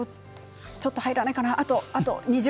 ちょっと入らないかな。